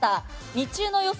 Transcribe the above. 日中の予想